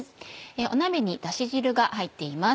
鍋にだし汁が入っています。